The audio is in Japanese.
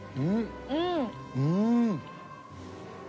うん。